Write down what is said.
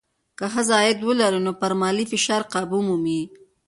که ښځه عاید ولري، نو پر مالي فشار قابو مومي.